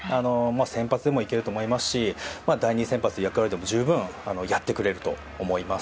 先発でもいけると思いますし第２先発の役割でも十分やってくれると思います。